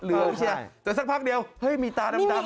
แต่สักพักเดียวเฮ้ยมีตาดำดำ